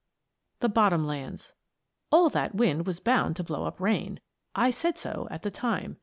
"_ THE BOTTOM LANDS All that wind was bound to blow up rain. I said so at the time.